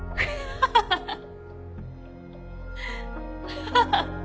ハハハハッ！